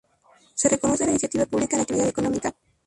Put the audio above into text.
Se reconoce la iniciativa pública en la actividad económica.